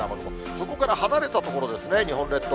そこから離れた所ですね、日本列島